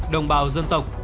đồng bào dân tộc